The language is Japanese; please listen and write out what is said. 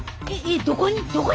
どこに？